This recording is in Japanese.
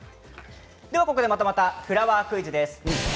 ここでまたまたフラワークイズです。